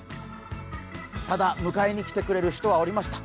ただ、迎えに来てくれる人はおりました。